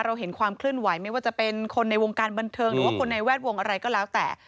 เห็นความเคลื่อนไหวไม่ว่าจะเป็นคนในวงการบันเทิงหรือว่าคนในแวดวงอะไรก็แล้วแต่